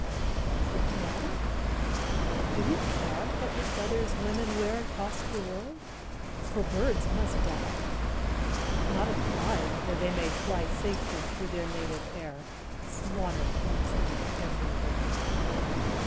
Does it matter, do we care What the feathers women wear Cost the world? For birds must die; Not a clime where they may fly Safely through their native air; Slaughter meets them everywhere.